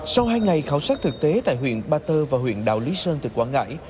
sau hai ngày khảo sát thực tế tại huyện ba tơ và huyện đào lý sơn từ quảng ngãi